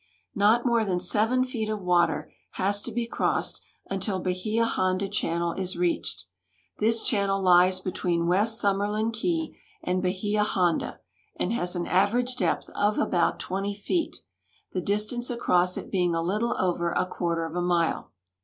Not more than seven feet of water has to be crossed until Bahia Honda channel is reached. This channel lies between West Summerland Key and Bahia Honda, and has an average depth of about 20 feet, the distance across it being a little over a quarter of a mile.